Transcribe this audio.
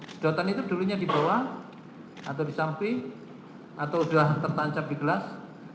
sedotan itu dulunya di bawah atau di samping atau sudah tertancap di gelas